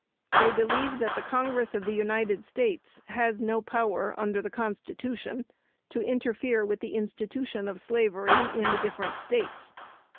They believe that the Congress of the United States has no power, under the Constitution, to interfere with the institution of slavery in the different States.